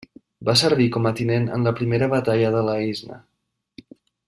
Va servir com a tinent en la primera batalla de l'Aisne.